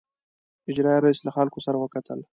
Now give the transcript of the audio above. اجرائیه رییس له خلکو سره وکتل.